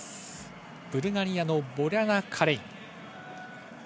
ブルガリアのボリャナ・カレイン。